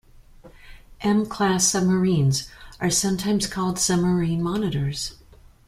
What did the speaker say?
M-class submarines are sometimes called submarine monitors.